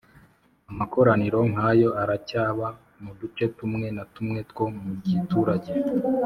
Amakoraniro nk ayo aracyaba mu duce tumwe na tumwe two mu giturage